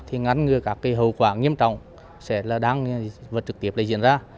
thì ngắn ngừa các hậu quả nghiêm trọng sẽ đáng trực tiếp diễn ra